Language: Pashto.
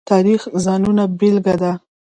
تاریخ د ځانونو بېلګه ده.